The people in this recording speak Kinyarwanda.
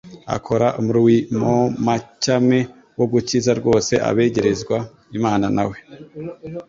Akora umruimo ma cyami wo gukiza rwose abegerezwa Imana na we.